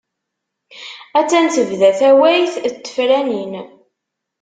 Attan tebda tawayt n tefranin.